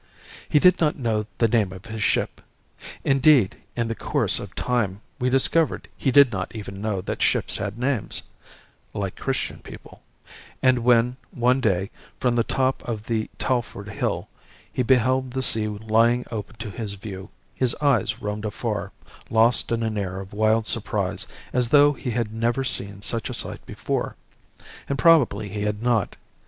"He did not know the name of his ship. Indeed, in the course of time we discovered he did not even know that ships had names 'like Christian people'; and when, one day, from the top of the Talfourd Hill, he beheld the sea lying open to his view, his eyes roamed afar, lost in an air of wild surprise, as though he had never seen such a sight before. And probably he had not.